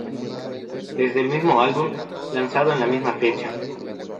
Desde el mismo álbum, lanzado en la misma fecha.